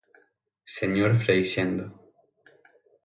Señor Freixendo.